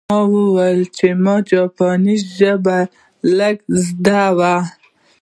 ما وویل چې ما جاپاني ژبه لږه زده وه